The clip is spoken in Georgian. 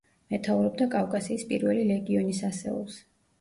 მეთაურობდა კავკასიის პირველი ლეგიონის ასეულს.